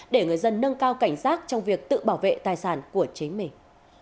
để người dân nâng cao cảnh giác trong việc tự bảo vệ tài sản của chính mình